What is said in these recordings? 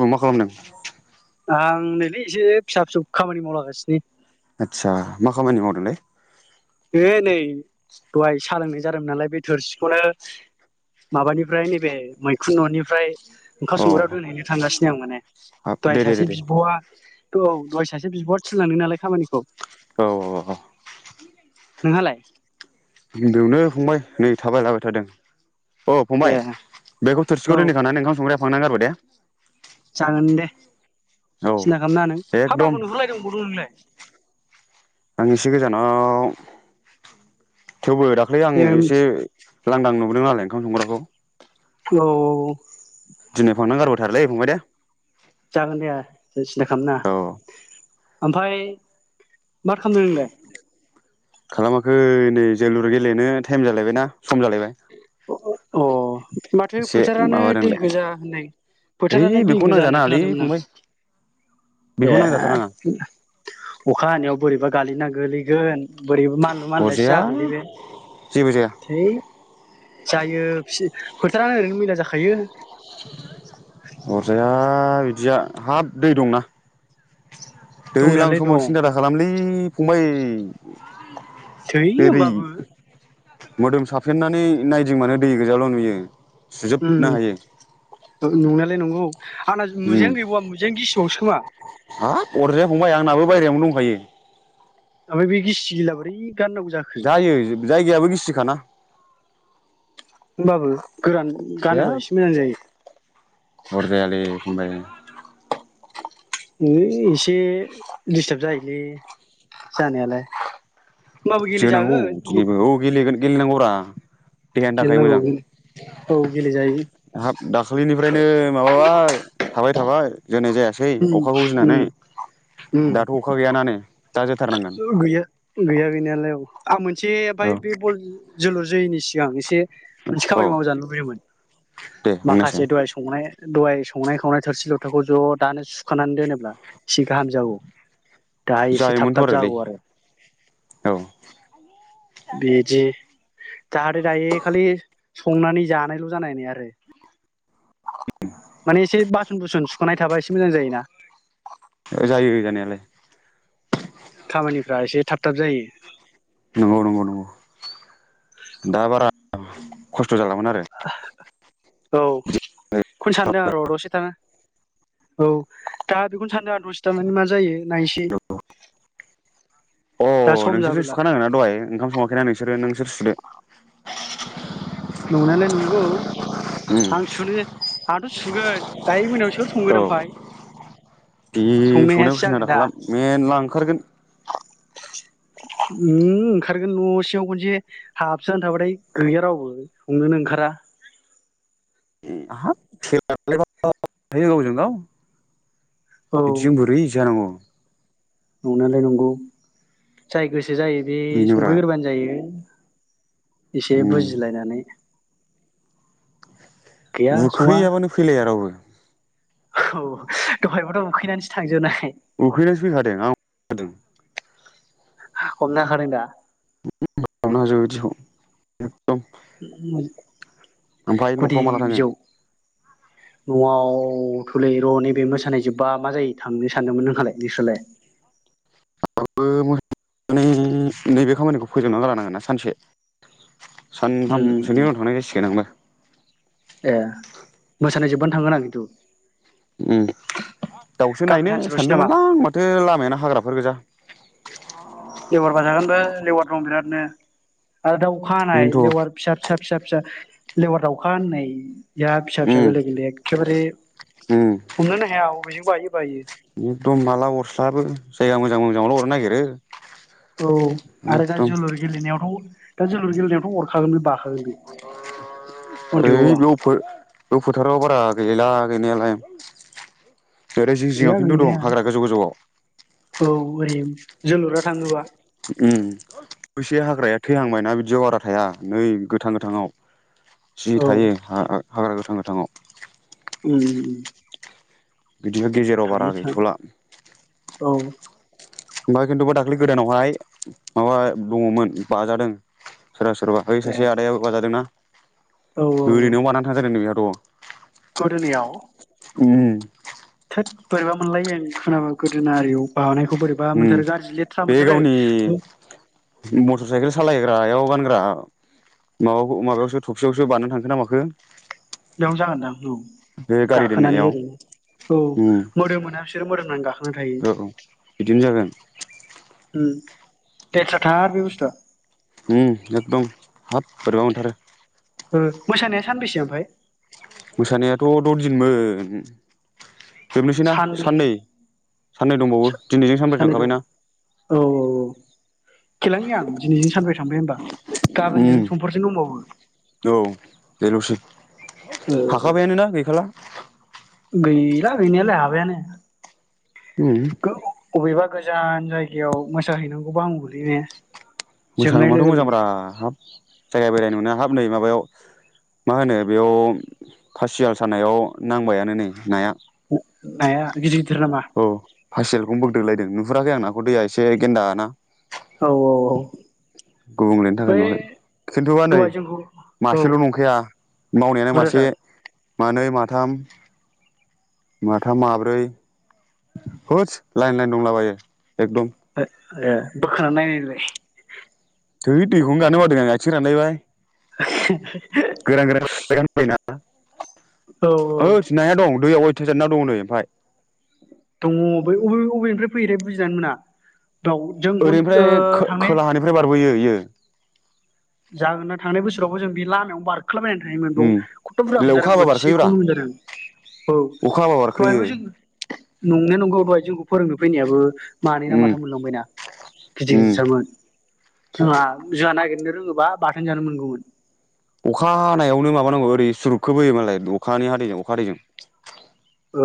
औ मा खालामदों? आं नैलै एसे फिसा फिसौ खामानि मावलागासिनो। आदसा मा खामानि मावदों लै? ऐ नै दहाय साालोंनाय जादोंमोन नालाय बे थोरसिखौनो माबानिफ्राय नैबे मैखुन न'निफ्राय ओंखाम अ संग्रायाव दोनहैनो थांगासिनो आं माने हाब दहाय दे दे दे सासे दे बिब'आ। औ दहाय सासे बिबआ थिनलांदों नालाय खामानिखौ। औ औ औ। नोंहालाय? बेयावनो फंबाय नै थाबायला बायथारदों। औ ए फंबाय बेखौ औ थोरसिखौ दोनहैखांनानै ओंखाम संग्रायाव फांना गारबो दे। जागोन दे। औ सिन्था खालामना नों हाब एकदम आंखौ नुहुरलायदोंं अबाव दं नोंलाय। आं एसे गोजानाव थेवबो दाख्लै आं ए एसे लांदां नुबोदों नालाय ओंखाम संग्राखौ। औ औ औ। दिनै फांना गारबोथारलै फंबाय दे। जागोन दे। सिन्था औ खालामनाङा ओमफाय मा खालामदों नोंलाय? खालामाखै नै जोलुर गेलेनो टाइम जालायबायना सम जालायबाय। अ माथो एसे फोथारानो दै माबादोंलाय गोजा होननाय ओइ फोथारानो दै बेखौ गोजा होननाय नांजानाङालै खोनादोंमोन आं फंबाय ए बेखौ नांजाथारनाङा अखा हानायाव बोरैबा गालिन ना गोलैगोन। बोरि बा मानलु मानला सो अरजाया थागोन लै बे जेबो जाया थोइ। जायो फि फोथारानो ओरैनो मैला जाखायो। अरजाया बिदिया हाब दै दंना। दैज्लां दंनायालाय समाव दं सिन्था दा खालामलै फंबाय थोइ ओरै होमबाबो मोदोम साफेननानै नायदिंबानो दै गोजाल' नुयो। सुजोबनो हायो ओम नंनायलाय नंगौ। आंना उम मुजायानो गैबावा मुजायानो गिसिबावसो खोमा। हाब अरजाया फंबाय आंनाबो बायरायावनो दंखायो। आमफाय बे गिसि गिला बोरै गाननांगौ जाखो जायो जाय दैयाबो गिसिखाना। होमबाबो। गोरान गानोबा जेब एसे मोजां जायो। अबायां होइ, एसे दिडिस्टार्ब जायोलै जानायालाय। होमबाबो जोनांगौ गेलेजागोन दिनैबो औ गेलेगोन। गेलेनांगौ रा देहानि थाखाय गेलेनांगौ मोजां, औ गेलेजायो हाब दाखालिनिफ्रायनो माबाबाय। थाबाय थाबाय। जोनाय जायासै उम अखाखौ उम गिनानै। दाथ' अखा गैयाना नै। दा जोथारनांगोन गैया गैया गैनायालाय औ। आ मोन जे बाय बे औ बल जोलुर जोैनि सिगां एसे मोनसे खामानि औ मावजानो लुबैयोमोन। दे बुंनायसाय माखासे दहाय संनाय दहाय संनाय खावनाय थोरसि लथाखौ ज' दानो सुखानानै दोनोब्ला ए गाहाम जागौ। दाहाय एसे थाब थाब थआलै जागौ आरो औ। बेजि। जाहाथे दायो खालि संनानै जानायल' जानायै आरो, माने एसे बासन बुसुन सुखनाय थाबा एसे मोजां जायोना। जायो जानायालाय। खामानिफ्रा एसे थाब। थाब जायो। नंगौ नंगौ औ । औ खौनो सानदों आं र' दसे थाना। औ दा बेखौनो सानदों आं दसे थानानै मा जायो नायसै। अ नोंसोरथ' सुखानांगोनना दहाय ओंखाम संङा। गोना नोंसोरो नोंसोर सुदो। नंनायलाय नंगौ । उम आं सुनि आंहाथ सुगोन दायो मोनायाव सोर संगोन औ ओमफाय बे संनायासो संनायखौ जागोन सिन्थथा दा खालाम मेनला ओंखारगोन। ओ ओंखारगोन नसिङाव खनसे हाबसानो थाबाथाय गैया रावबो संनोनो ओंखारा । हाब [unintelligible] गावजों गाव। औ बिदिजों बोरै जानांगौ । नंनायालाय नंगौ जाय गोस जायो बे बेनोब्रा संफैग्रोबानो जायो । एसे उम बुजिलायनानै गैया सङा उखैयाबानो फैलाया रावबो। औ दहायबोथ उखैनानैसो थांजोबनाय। उखैनासो फैखादों आ हमनो हाखादों दा? [unintelligible] ओमफ्राय गुदि न'फ्राव माला थाङो बिजौ नआव थलै र नैबे मोसानाय जोब्बा मा जायो थांनो सानदोंमोन, नोंहालाय नोंसोरलाय? नैबे खामानिखौ फोजोबना लानांगोना सानसे । उम सानथामसोनि उम उनाव थांनाय जासिगोन आंबो । ए मोसानाय जोबबानो थांगोन आं खिन्थु । ओम दाउसो नायनो सानसेल'सै नामा? सानदोंमोनलां माथो लामायानो हाग्राफोर गोजा । लेवार बाजागोन लेवार दं बिरादनो । आरो दाव खानाय बेनोथ' लेवार फिसा फिसा फिसा फिसा लेवार दावखा होननाय या फिसा फिसा उम गोरलै गोरलै एखेबारे हमनोनो हाया अबेजों बायो बायो । एखदम माला अरस्लाबो जायगा मोजां मोजाङावल अरनो नायगिरो । औ आरो दा जोलुर गेलेनायावथ दा जोलुर गेलेनायावथ अरखागोन बे बाखागोन बे सन्देह' ओइ आं बेयाव फो बेयाव फोथाराव बारा गैला गैनायालाय । ओरै जिं गैया जिङाव खिन्थु गैनाया दं हाग्रा गोजौ गोजौवाव । औ ओरै जोलुरा थाङोबा उम बैसे हाग्राया थैहांबायना बिदियाव बारा थाया नै गोथां गोथांङाव । जि औ थायो हा [unintelligible] हाग्रा गोथां गोथांङाव उम बिदिनो गेजेराव बारा थायो था गैथ'ला औ ओमफाय खिन्थुबा दाख्लै गोदानावहाय माबा दङमोन बाजादों सोरबा सोरबा बै सासे आदायाबो बाजादों ना औ औ ओरैनो नवाव बानानै थांजादों नो बेहा द' गोदोनायाव उम बोरैबा मोनलायो आं खोनाबा गोदोना आरियाव बानाय खौ बोरैबा उम मोनथारो गाज्रि लेथ्रा बे गावनि मोनथारो मटर साइकेल सालायग्रायाव गानग्रा माबा माबायावसो थफियावसो बानायना थांखो ना माखो? बेयावनो जागोनदां औ बे गारि गाखोनानै दोननायाव ओरै औ उम मोदोमोना बिसोरो मोदोमनानै गाखो औ औ बिदिनो जागोन लेथ्रा थार बे बुस्थुवा उम एकदम हाब बोरैबा मोनथारो ओ मोसानाया सानबेसे ओमफाय? मोसानायाथ' दरदिनमोन। सानब दंबावो सा दिनैजों सानब्रै साननै द' औ थांखाबायना औ औ खेलानो गैया आं दिनैजों सानब्रै थांबाय होमबा? उम औ बे लसै ओ हाखाबायानोना गैखाला गैला गैनायाला हाबायानो उम अबेबा गोजान जायगायाव मोसाहैनांगौबा हामगौलैय ने मोसानो मोनबाथ' मोजांब्रा हाब जायगा बेरायनो हाब नै माबायाव मा होनो बेयाव फासि जाल सानायाव नांबायानो नै नाया नाया गिदिर गिदिर नामा औ। फासि जालखौनो बोगदो लायदों नुहुराखै आं नाखौ दैया एसे गेन्दाना औ औ औ गुबुंलेनि थाखाय बै नुवाखै खिन्थुबा नै दहाय जोंखौ औ मासेल' नंखाया मावनायानो मासे बुरजाथार मानै माथाम। माथाम, माब्रै। होस लाइन-लाइन दंलाबायो। एकदम। ए बोखांना नायनायलाय। थै दैखौनो गानो बादों आं आथिं रानलायबाय। [inaudible] [unintelligible] औ होद नाया दं। दैयाव अयथासार ना दं नै ओमफाय। दङ बै अबे-अबेनिफ्राय फैयोथाय बुजिनान मोना। बाव जों ओ ओरैनिफ्राय खो थांनाय खोलाहानिफ्राय बारबोयो इयो। जागोनदां थांनाय बोसोरावबो जों बे लामायावनो बार बारखोला बायनानै थायोमोन बेयाव उम खथ' बुरजा अखा मोनजादों हाबा बारखोयोब्रा बोथिसेखौनो मोनजादों औ अखा हाबा बारखोयो दहायबो जों नंनाया नंगौ दहाय जोंख फोरोंनो फैनायाबो। मानैना उम माथाम मोनलांबायना गिदिर उम गिदिरथारमोन। जोंहा-जोंहा नागिरनो रोङो बा-बाथोन जानो मोनगौमोन। अखा हानायावनो माबानांगौ ओरै सुरुबखोबोयो मालाय अखानि हादैजों अखा हादैजों। ओ।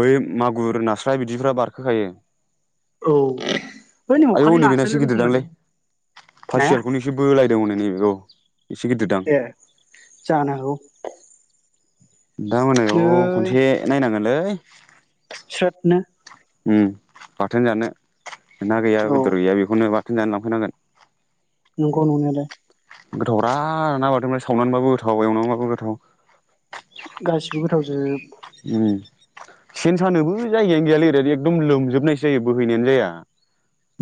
बै मागुर, नास्राय बिदिफ्रा बारखो खायो। औ बै आयौ अखालि नै बेना इसे नास्रायल' दंखोमालै गिदिरदांलै, फासि नाया जालखौनो एसे बोलायदों हनै नै बेखौ। [inaudible] ए जानो हागौ। दा मोनायाव खनसे नायनांगोनलै। [inaudible] स्रोद नो। उम बाथोन जानो। ना गैया औ बेदर गैया बेखौनो बा थोन जानो लांफैनांगोन। नंगौ नंनायालाय। गोथाव रा ना बाथोन सावनानैबाबो गोथाव एवनानैबाबो गोथाव। गासिबो गोथाव जोब। उम सेन सानोबो जायगायानो गैयालै ओरै एकदम लोमजोबनायसो जायो बोहैनायानो जाया।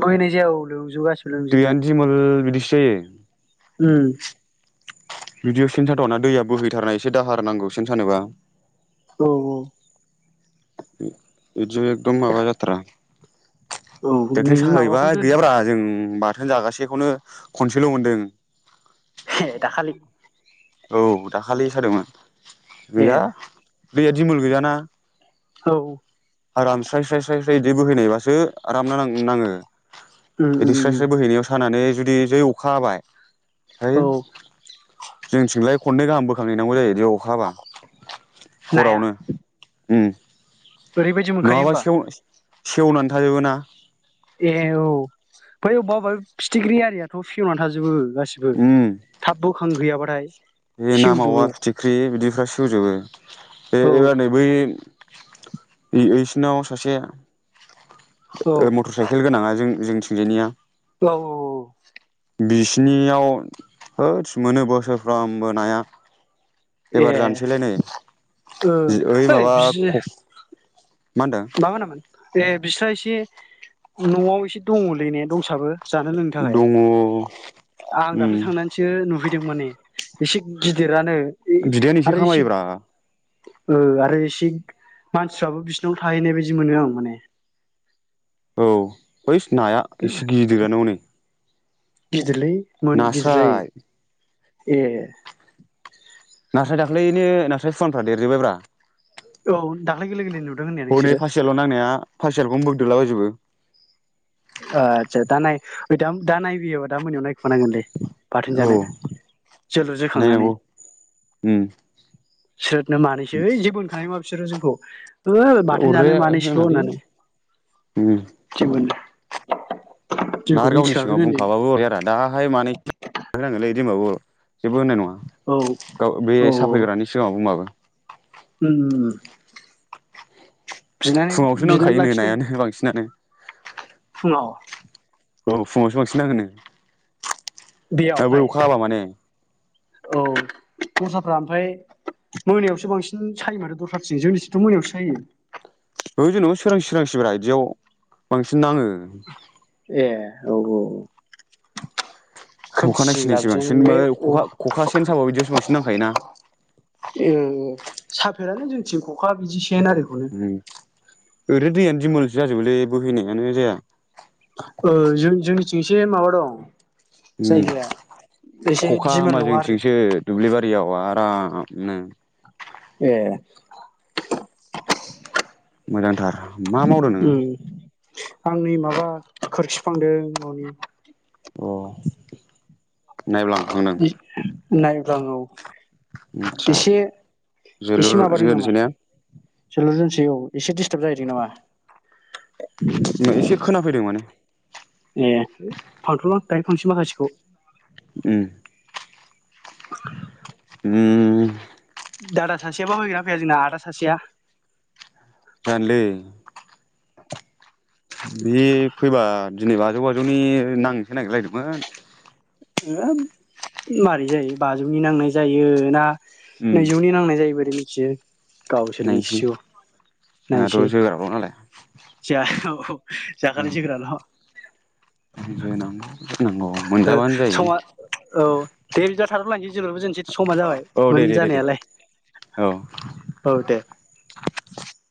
बोहैनाय जायाबाबो लोमजोबो गास दैयानो दिमोल बिदिस [unintelligible] उम। बिदियाव सेन साथावा ना दैया बोहैथारनाय एसे दाहार नांगौ सेन सानोबा। औ-औ। [unintelligible] जो एकदम माबा जाथ्रा। औ दाख्लि नोंनि साहा माबाखौनो हैबाय दोन गैयाब्रा जों थोन जागासेखौनो खनसेल' मोनदों। हे दाखालि। औ दाखालि सादोंमोन। ए गैया। दैया दिमोल गोैजाना। औ आराम स्राय स्राय स्राय। [unintelligible] दै बोहैनाय बासो आराम ना नाङो। उम बिदि उम स्राय उम स्राय बोहैनायाव सानानै जुदि जै अखा हाबाय औ [unintelligible] जोंनिथिंलाय खन्नै गाहाम बोखां हैनांगौ जायो। बेयाव अखा हाबा नाया हरावनो। उम। ओरैबायदि मोनखायो नङाबा होमबा? सेव सेवनानै थाजोबो ना। ए औ बै अबबा अबबा फिथिख्रि आरियाथ' फेवना थाजोबो। गासिबो उम थाब बोखां हैयाबा। प्राइस। बे ना मावा फिथिख्रि बिदिफ्रा सेवजोबो। बे औ एबार नै बै ओइ ओइसिनाव सासे ओ मटर साइकेल गोनाङा जों जोंनिथिंजायनिया औ औ औ। बिसिनियाव होदस मोनो बोसोरफ्रामबो नाया ए एबार जानसैलाय नै ओ जि ओइ माबा ख मा होनामोन? ए बिस्रा एसे न'आव एसे दङलै ने दंसाबो। जानो लोंनो थाखाय। दङ आं दाख्लै उम थांनानैसो नुहैदों माने। एसे गिदिरानो। बिदायानो एसे खामायोब्रा। ओ आरो एसे मानसिफ्राबो बिसिनाव थाहैनाय बायदि मोनो आं माने। औ बै नाया एसे गिदिर गिदिरानो हनै। गिदिरलै मोन गिदिर जायो। नास्राय ए। नास्राय दाख्लैनो नास्राय फुवानफ्रा देरजोब्बाय ब्रा। औ दाख्लै गोरलै गोरलै नुदों होननाया नोंसोरो। फासियाल' नांनाया फासियालखौनो बोगदोलाबायजोबो। ओ आदसा दा नाय दा नायबियोबा दा मोनायाव नाय खुनांगोनलै बाथोन औ जानो जोलुर जोखांनानै नायनांगौ उम स्रोदनो मानैसो है जेबो होनखानाय नङा बिसोरो जोंखौ। ओ बाथोन जानाय अरजाया मानैसल' होनालै होननानै उम जागोनदा। ना आरो गावनि सिगाङाव होनदों बुंखाबाबो अरजाया दाहाय मानै होनांगोनलै । होनबाबो जेबो होननाय नङा। औ गाव बे औ साफैग्रानि सिगाङाव बुंबाबो। उम उम बिनानै फुङावसो बिनानै नांखायो नो लाखिदों नायानो बांसिनानो। फुङाव? औ फुङावसो बांसिन नाङो नो। बेयावहाय औ। दस्राफ्रा ओमफ्राय मोनायावसो बांसिन सायो माथो दस्राथिं जोंनिसिंथ' मोनायावसो सायो। औ जेनोबा सोरांसि सोरांसिब्रा इदियाव बांसिन नाङो। ए औ औ। अखा नायसि खोमसिजों नायसि जाबजों बांसिन बा बे अ ओ खखा खखा सेन साबाबो बिदियावसो बांसिन नांखायोना। गैयालै जोंथिं खखा बिदि सेन नारिखौनो ओरैनो दैयानो दिमोलसो जाजोबोलै बोहैनायानो जाया। ओ जों जोंनिथिं एसे माबा दं उम जायगाया एसे खखा दिमोल हा नङा आरो जोंथिंसो दुब्लि बा रियाव आरामनो ए। मोजांथार। मा मावदों नोङो? उम आं नै माबा खोरखिफांदों ननि। अ। नायब्लां फांदों। नायब्लां औ । आतसा एसे जोलुर [inaudible] माबादों नामा जोनोसैने? जोलुर जोनोसै औ एसे दिस थाब जाहैदों नामा? एसे खोनाफैदों माने ए फांथ' लां दायो फांसै माखासेखौ । उ उम दादा सासेयाबा फैगोना फैया जोंना आदा सासेया? जानलै । बि फैबा दिनै बाजौ बाजौनि नांसो नागिरलायदोंमोन । होम मारै जायो बाजौनि नांनाय जायो ना उम नैजौनि नांनाय जायो बोरैमि [unintelligible] गावसोर नायनोसै मिथिसिगौ नायनोसै जोंहाथ' जा खाव अ उ जो न [unintelligible] ओ समा औ दे बिदिबा थाथ' लायसै जोलुरबो जोंनोसै समा जाबाय औ दे मोन दे दे दे जानायालाय औ औ दे ।